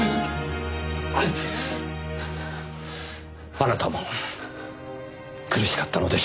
あなたも苦しかったのでしょう。